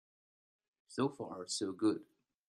So far so good.